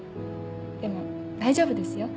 でも大丈夫ですよ。